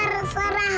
hidungnya aja ya